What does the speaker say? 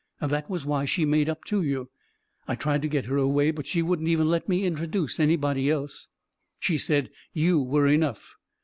That was why she made up to you. I tried to get her away, but she wouldn't even let me introduce anybody else — she said you were enough.